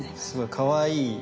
すごいかわいい。